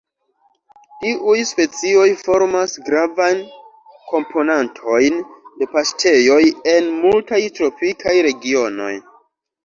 Tiuj specioj formas gravajn komponantojn de paŝtejoj en multaj tropikaj regionoj.